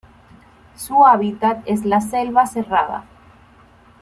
Su hábitat es la selva cerrada.